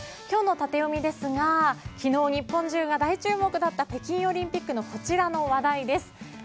今日のタテヨミですが昨日、日本中が大注目だった北京オリンピックのこちらの話題です。